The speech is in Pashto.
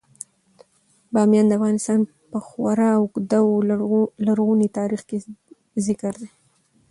بامیان د افغانستان په خورا اوږده او لرغوني تاریخ کې ذکر دی.